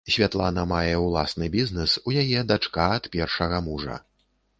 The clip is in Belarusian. Святлана мае ўласны бізнэс, у яе дачка ад першага мужа.